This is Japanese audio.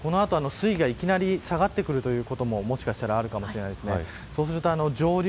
この後、水位がいきなり下がってくることももしかしたらあるかもしれません。